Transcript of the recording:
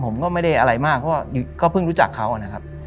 ผมก็ไม่ได้อะไรมากเพราะก็เพิ่งรู้จักเขานะครับ